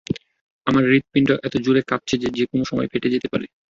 আমার হৃদপিণ্ড এতো জোরে কাঁপছে যে যেকোনো সময় ফেটে যেতে পারে।